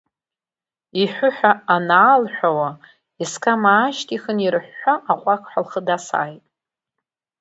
Иҳәы ҳәа анаалҳәуа, исқам аашьҭихын ирыҳәҳәа аҟәақҳәа лхы дасааит.